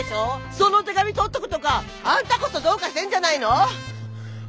その手紙取っとくとかあんたこそどうかしてんじゃないの！？